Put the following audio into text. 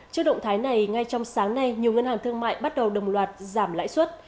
trước động thái này ngay trong sáng nay nhiều ngân hàng thương mại bắt đầu đồng loạt giảm lãi suất